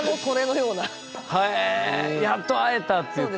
「やっと会えた」って言って。